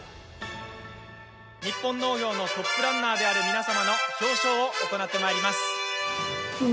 日本農業のトップランナーである皆様の表彰を行ってまいります。